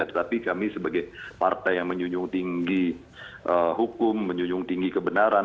tetapi kami sebagai partai yang menjunjung tinggi hukum menjunjung tinggi kebenaran